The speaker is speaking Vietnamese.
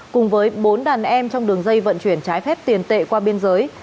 cùng với bốn đàn em trong đường dây vận chuyển trái phép tiền tệ qua biên giới